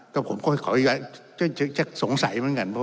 ก็ผมก็ขอจะสงสัยเหมือนกัน